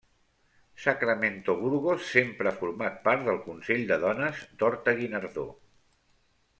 Sacramento Burgos sempre ha format part del Consell de Dones d’Horta-Guinardó.